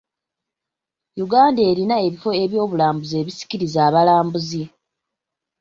Uganda erina ebifo ebyobulambuzi ebisikiriza abalambuzi.